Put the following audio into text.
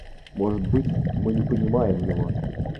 Может быть, мы не понимаем его.